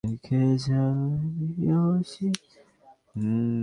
তুমি স্পেশাল, হ্যাঁ?